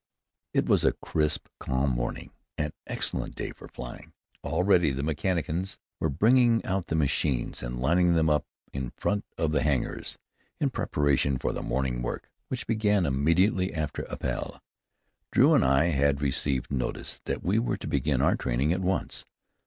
It was a crisp, calm morning an excellent day for flying. Already the mechanicians were bringing out the machines and lining them up in front of the hangars, in preparation for the morning work, which began immediately after appel. Drew and I had received notice that we were to begin our training at once.